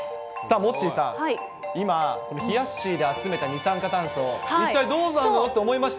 モッチーさん、今、これ、ひやっしーで集めた二酸化炭素、一体どうなるの？って思いました